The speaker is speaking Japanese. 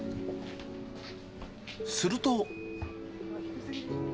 すると。